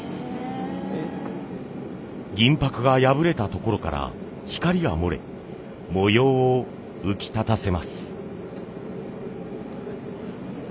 銀箔が破れたところから光が漏れ模様を浮き立たせます。